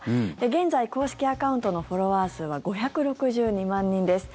現在、公式アカウントのフォロワー数は５６２万人です。